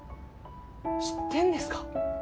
知ってんですか？